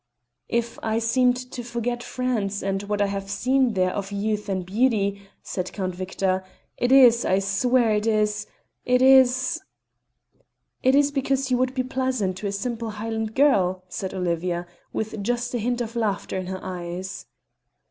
"If I seemed to forget France and what I have seen there of Youth and Beauty," said Count Victor, "it is, I swear it is it is " "It is because you would be pleasant to a simple Highland girl," said Olivia, with just a hint of laughter in her eyes.